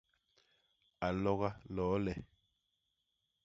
A loga loo le!